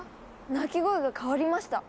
鳴き声が変わりました！